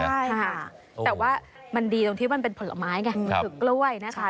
แต่ว่ามันดีตรงที่มันเป็นผลไม้ไงถึงกล้วยนะคะ